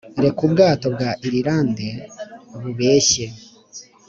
reka ubwato bwa irilande bubeshye